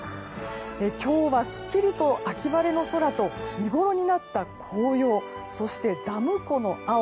今日はすっきりと秋晴れの空と見ごろになった紅葉そしてダム湖の青。